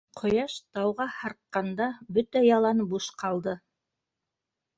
Ҡояш тауға һарҡҡанда, бөтә ялан буш ҡалды.